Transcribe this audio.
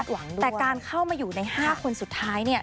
แต่การเข้ามาอยู่ใน๕คนสุดท้าย